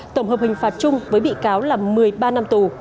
tổng hợp hình phạt chung với bị cáo là một mươi ba năm tù